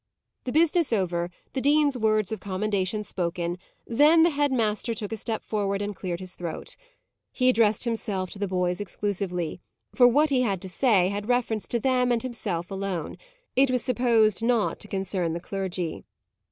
The business over, the dean's words of commendation spoken, then the head master took a step forward and cleared his throat. He addressed himself to the boys exclusively; for, what he had to say, had reference to them and himself alone: it was supposed not to concern the clergy.